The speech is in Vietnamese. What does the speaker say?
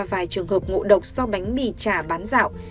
vài trường hợp ngộ độc do bánh mì trả bán dạo